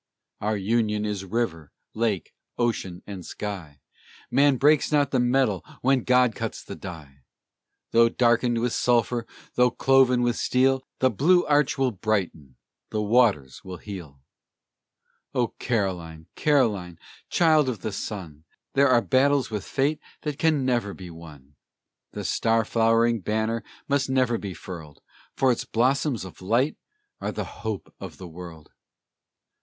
Our Union is river, lake, ocean, and sky; Man breaks not the medal when God cuts the die! Though darkened with sulphur, though cloven with steel, The blue arch will brighten, the waters will heal! O Caroline, Caroline, child of the sun, There are battles with fate that can never be won! The star flowering banner must never be furled, For its blossoms of light are the hope of the world!